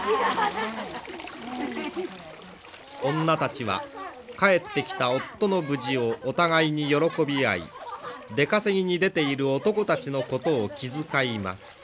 女たちは帰ってきた夫の無事をお互いに喜び合い出稼ぎに出ている男たちのことを気遣います。